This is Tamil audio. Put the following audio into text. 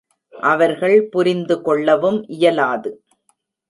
அவர்கள் புரிந்து கொள்ளவும் இயலாது.